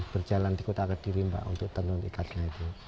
berjalan di kota kediri mbak untuk tenun ikatnya itu